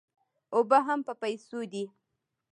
اوبه هم په پیسو دي.